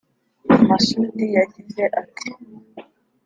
Masudi yagize ati